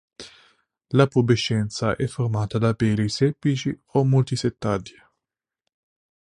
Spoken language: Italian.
La pubescenza è formata da peli semplici o multisettati.